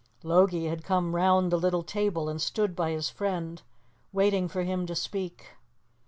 Logie had come round the little table and stood by his friend, waiting for him to speak.